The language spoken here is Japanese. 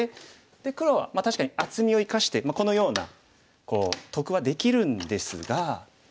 黒は確かに厚みを生かしてこのようなこう得はできるんですが。